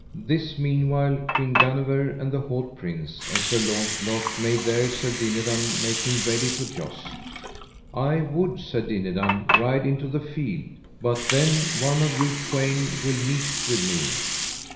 This meanwhile Queen Guenever, and the haut prince, and Sir Launcelot, made there Sir Dinadan make him ready to joust. I would, said Dinadan, ride into the field, but then one of you twain will meet with me.